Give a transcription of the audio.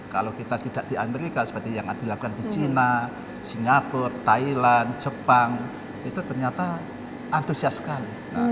kalau kita tidak di amerika seperti yang dilakukan di china singapura thailand jepang itu ternyata antusias sekali